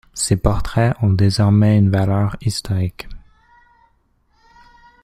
Ces portraits ont désormais une valeur historique.